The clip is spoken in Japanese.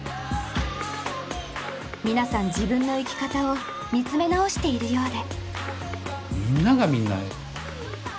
皆さん自分の生き方を見つめ直しているようで。